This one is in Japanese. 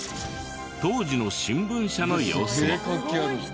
当時の新聞社の様子も。